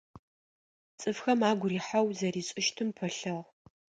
Цӏыфхэм агу рихьэу зэришӏыщтым пылъыгъ.